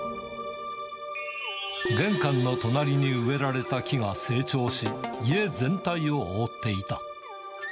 玄関の隣に植えられた木が成長し、家全体を覆っていた。